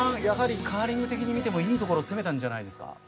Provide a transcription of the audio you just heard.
やはりカーリング的に見てもいいところ攻めたんじゃないですか？